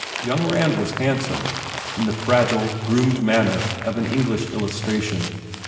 Young Rand was handsome in the fragile, groomed manner of an English illustra tion.